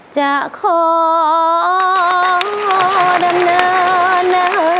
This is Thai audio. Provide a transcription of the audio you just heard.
จะขอดำเนิดเนิด